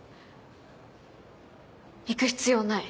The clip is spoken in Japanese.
行く必要ない。